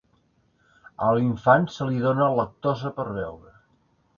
A l'infant se li dona lactosa per beure.